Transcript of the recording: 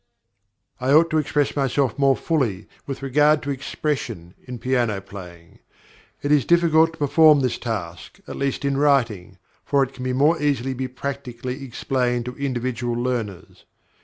I ought to express myself more fully with regard to expression in piano playing. It is difficult to perform this task, at least in writing; for it can more easily be practically explained to individual learners.